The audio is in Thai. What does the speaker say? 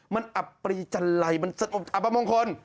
มันอับปรีจันไรมันสงบอับประมงคล